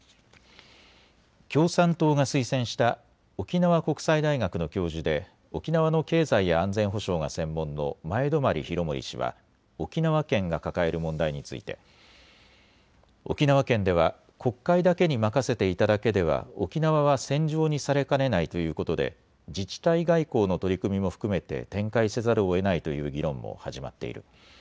共産党が推薦した沖縄国際大学の教授で沖縄の経済や安全保障が専門の前泊博盛氏は沖縄県が抱える問題について沖縄県では国会だけに任せていただけでは沖縄は戦場にされかねないということで自治体外交の取り組みも含めて展開せざるをえないという議論も始まっている。